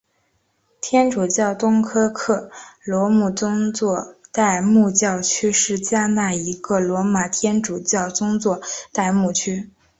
天主教东科克罗姆宗座代牧教区是加纳一个罗马天主教宗座代牧区。